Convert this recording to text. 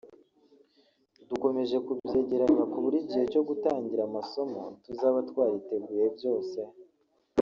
dukomeje kubyegeranya ku buryo igihe cyo gutangira amasomo tuzaba twariteguye byose